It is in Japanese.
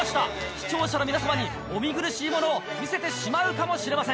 「視聴者の皆様にお見苦しいものを見せてしまうかもしれません」。